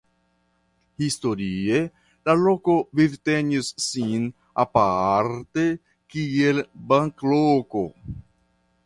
Historie la loko vivtenis sin aparte kiel banloko.